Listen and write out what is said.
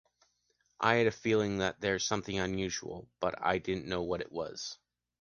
I had a feeling that there’s something unusual, but I didn’t know what it was.